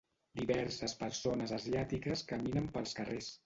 Diverses persones asiàtiques caminen pels carrers.